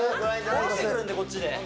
出してるんで、こっちで。